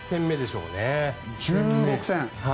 中国戦。